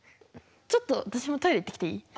ちょっと私もトイレ行ってきていい？